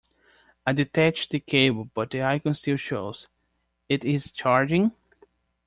I detached the cable, but the icon still shows it is charging?